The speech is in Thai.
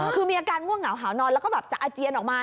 คือมีอาการง่วงเหงาหาวนอนแล้วก็แบบจะอาเจียนออกมา